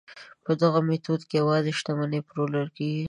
په دغه میتود کې یوازې شتمنۍ پلورل کیږي.